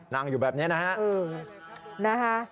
นั่งอยู่แบบนี้นะฮะ